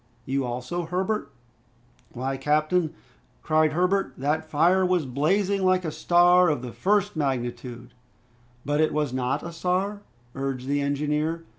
"You also, Herbert?" "Why, captain," cried Herbert, "that fire was blazing like a star of the first magnitude!" "But was it not a star?" urged the engineer.